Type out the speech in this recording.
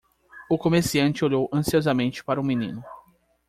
O comerciante olhou ansiosamente para o menino.